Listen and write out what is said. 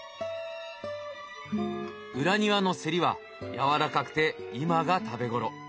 裏庭のセリはやわらかくて今が食べ頃。